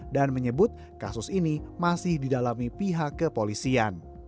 dan menyebut kasus ini masih didalami pihak kepolisian